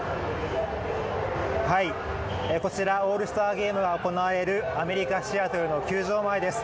こちら、オールスターゲームが行われるアメリカ・シアトルの球場前です。